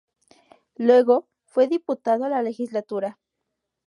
Luego fue diputado a la Legislatura.